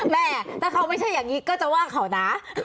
แม่ถ้าเขาไม่ใช่อย่างนี้ก็จะว่าเขานะ